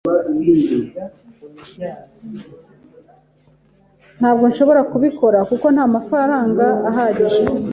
Ntabwo nshobora kubikora kuko ntamafaranga ahagije.